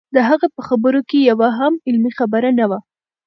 د هغه په خبرو کې یوه هم علمي خبره نه وه.